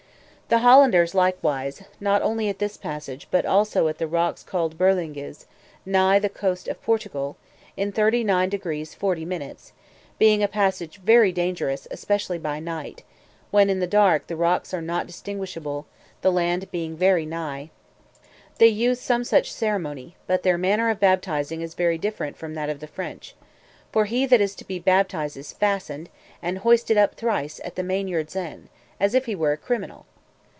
The Hollanders likewise, not only at this passage, but also at the rocks called Berlingues, nigh the coast of Portugal, in 39 deg. 40 min. (being a passage very dangerous, especially by night, when, in the dark, the rocks are not distinguishable, the land being very high) they use some such ceremony: but their manner of baptizing is very different from that of the French; for he that is to be baptized is fastened, and hoisted up thrice, at the mainyard's end, as if he were a criminal.